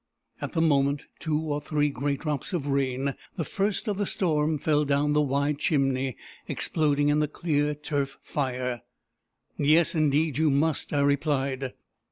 At the moment, two or three great drops of rain, the first of the storm, fell down the wide chimney, exploding in the clear turf fire. "Yes, indeed you must," I replied.